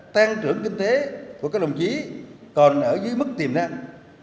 tăng trưởng kinh tế của các đồng chí còn ở dưới mức tiềm năng